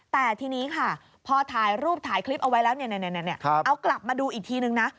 แต่ทีนี้ค่ะพอถ่ายรูปถ่ายคลิปเอาไว้แล้วเอากลับมาดูอีกทีนึงนะ